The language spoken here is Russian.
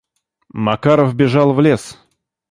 Макаров бежал в лес.